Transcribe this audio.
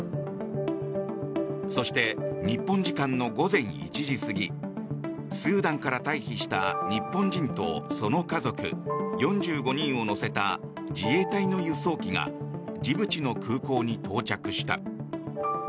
そして日本時間の午前１時過ぎスーダンから退避した日本人とその家族４５人を乗せた自衛隊の輸送機がジブチの空港に到着した。